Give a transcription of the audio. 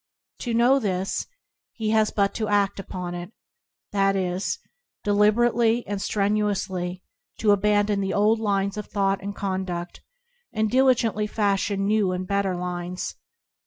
To know this, he has but to aft upon it, — that is, deliberately and strenuously to abandon the old lines of thought and conduft, and diligently fashion new and better lines.